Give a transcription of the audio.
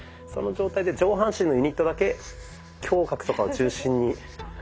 その状態で上半身のユニットだけ胸郭とかを中心に。